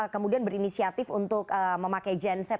kemudian berinisiatif untuk memakai genset